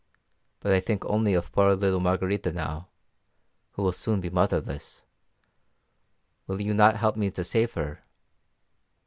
But I think only of poor little Margarita now, who will soon be motherless: will you not help me to save her?